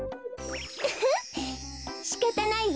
ウフッしかたないわ。